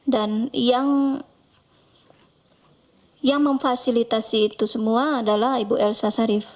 dan yang memfasilitasi itu semua adalah ibu elsa sarif